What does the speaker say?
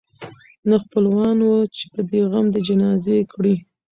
نه خپلوان وه چي دي غم د جنازې کړي